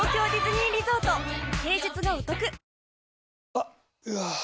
あっ、うわー。